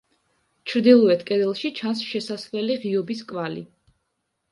ჩრდილოეთ კედელში ჩანს შესასვლელი ღიობის კვალი.